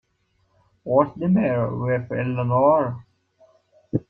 What's the matter with Eleanor?